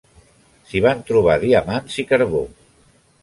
Si van trobar diamants i carbó.